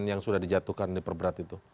yang sudah dijatuhkan diperberat itu